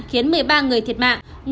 khiến một mươi ba người thiệt mạng